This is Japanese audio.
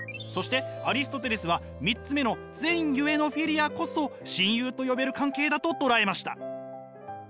そしてアリストテレスは３つ目の善ゆえのフィリアこそ親友と呼べる関係だと捉えました。